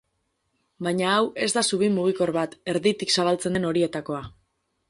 Baina hau ez da zubi mugikor bat, erditik zabaltzen den horietakoa.